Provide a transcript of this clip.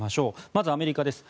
まずアメリカです。